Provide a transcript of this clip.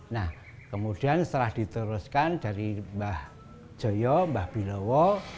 nah kemudian setelah diteruskan dari mbah joyo mbah bilowo